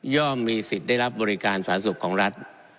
มีสิทธิ์ได้รับบริการสาธารณสุขของรัฐ